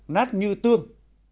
nát như tương